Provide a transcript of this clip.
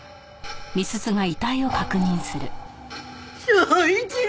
昭一郎！